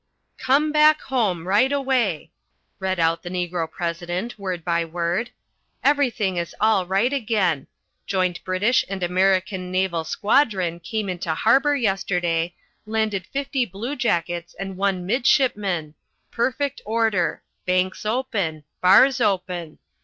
"Come back home right away," read out the Negro President, word by word. "_Everything is all right again. Joint British and American Naval Squadron came into harbour yesterday, landed fifty bluejackets and one midshipman. Perfect order. Banks open. Bars open.